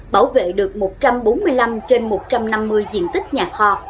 bảo vệ được một trăm bốn mươi năm trên một trăm năm mươi diện tích nhà kho